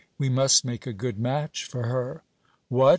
we I must make a good match for her. What